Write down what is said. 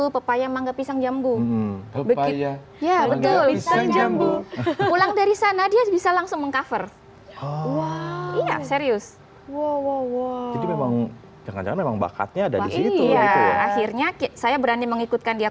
pemenang yang sejati